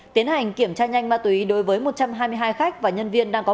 tiến hành kiểm tra nhanh ma túy đối với một trăm hai mươi hai khách và nhân viên đang có